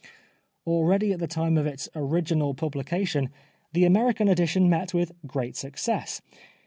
Already at the time of its original publication the American edition met with great success.